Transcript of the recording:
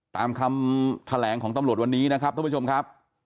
ตามคำแถลงของตำรวจวันนี้นะครับท่านผู้ชมครับ